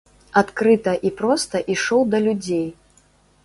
Адкрыта і проста ішоў да людзей.